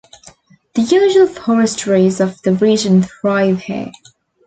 The usual forest trees of the region thrive here.